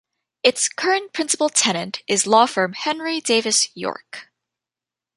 Its current principal tenant is law firm Henry Davis York.